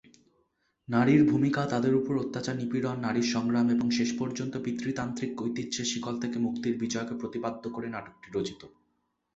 নারীর ভূমিকা, তাদের উপর অত্যাচার-নিপীড়ন, নারীর সংগ্রাম এবং শেষ পর্যন্ত পিতৃতান্ত্রিক ঐতিহ্যের শিকল থেকে মুক্তির বিজয়কে প্রতিপাদ্য করে নাটকটি রচিত।